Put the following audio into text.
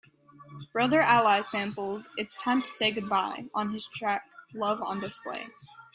Brother Ali sampled "It's Time to Say Goodbye" on his track "Love On Display".